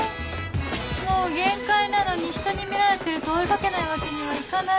もう限界なのにひとに見られてると追い掛けないわけにはいかない